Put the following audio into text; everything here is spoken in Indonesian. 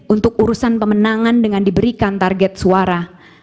untuk urusan pemenangan dengan diberikan target suara